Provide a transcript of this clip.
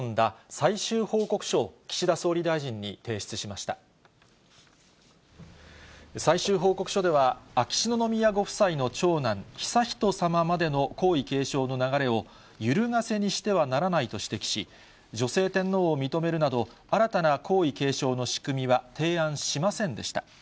最終報告書では、秋篠宮ご夫妻の長男、悠仁さままでの皇位継承の流れをゆるがせにしてはならないと指摘し、女性天皇を認めるなど、新たな皇位継承の仕組みは提案しませんでした。